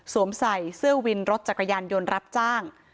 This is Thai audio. ใส่เสื้อวินรถจักรยานยนต์รับจ้าง